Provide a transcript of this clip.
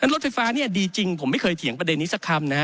รถไฟฟ้าเนี่ยดีจริงผมไม่เคยเถียงประเด็นนี้สักคำนะฮะ